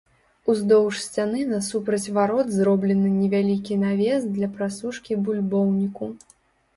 Уздоўж сцяны насупраць варот зроблены невялікі навес для прасушкі бульбоўніку.